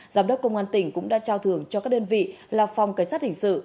giám đốc công an tỉnh cũng đã trao thưởng cho các đơn vị là phòng cảnh sát hình sự